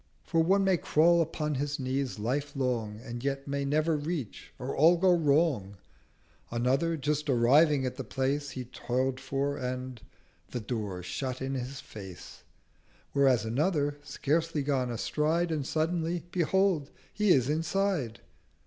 For one may crawl upon his knees Life long, And yet may never reach, or all go wrong: 140 Another just arriving at the Place He toil'd for, and—the Door shut in his Face: Whereas Another, scarcely gone a Stride, And suddenly—Behold he is Inside!